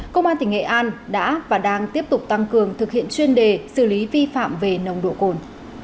công an tỉnh nghệ an đã và đang tiếp tục tăng cường thực hiện chuyên đề xử lý vi phạm về nồng độ cồn